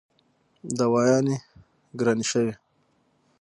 دوايانې ګرانې شوې